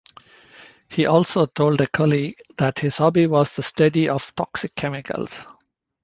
He also told a colleague that his hobby was the study of toxic chemicals.